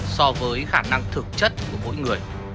so với khả năng thực chất của mỗi người